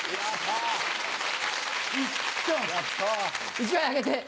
１枚あげて。